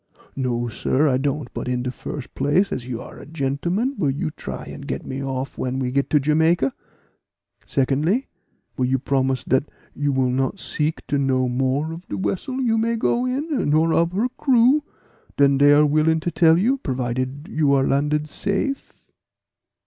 "No, sir, I don't; but in de first place as you are a gentleman, will you try and get me off when we get to Jamaica? Secondly, will you promise dat you will not seek to know more of de vessel you may go in, nor of her crew, than dey are willing to tell you, provided you are landed safe?"